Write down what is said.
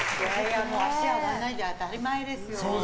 足が上がらないって当たり前ですよ。